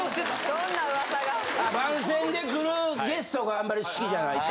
・どんな噂が・番宣で来るゲストがあんまり好きじゃないと。